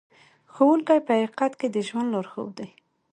ښوونکی په حقیقت کې د ژوند لارښود دی.